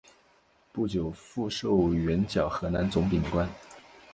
不久复授援剿河南总兵官。